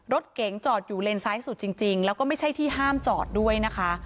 รถเก๋งจอดอยู่เลนซ้ายสุดจริงแล้วก็ไม่ใช่ที่ห้ามจอดด้วยนะคะ